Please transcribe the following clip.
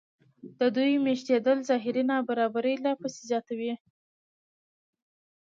د دوی مېشتېدل ظاهري نابرابري لا پسې زیاتوي